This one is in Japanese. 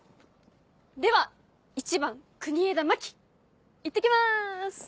では１番国枝真紀いってきます！